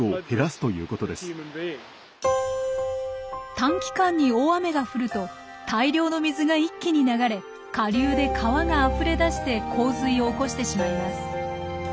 短期間に大雨が降ると大量の水が一気に流れ下流で川があふれ出して洪水を起こしてしまいます。